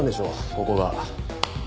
ここが。